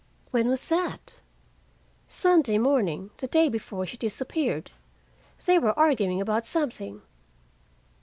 "When was that?" "Sunday morning, the day before she disappeared. They were arguing something."